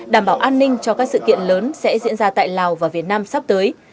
đảm bảo an ninh cho các sự kiện lớn sẽ diễn ra tại lào và việt nam sắp tới